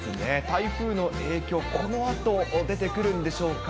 台風の影響、このあと出てくるんでしょうか。